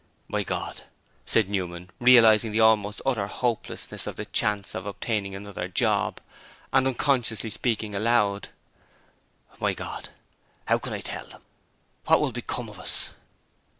'My God!' said Newman, realizing the almost utter hopelessness of the chance of obtaining another 'job' and unconsciously speaking aloud. 'My God! How can I tell them? What WILL become of us?'